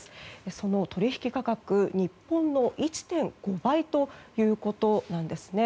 その取引価格、日本の１．５倍ということなんです。